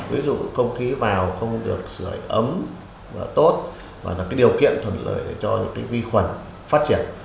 ví dụ không khí vào không được sửa ấm tốt và đặc biệt điều kiện thuận lợi cho vi khuẩn phát triển